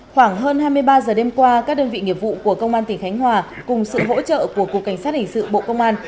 khoảng hơn hai mươi ba giờ đêm qua các đơn vị nghiệp vụ của công an tỉnh khánh hòa cùng sự hỗ trợ của cục cảnh sát hình sự bộ công an